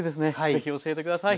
是非教えて下さい。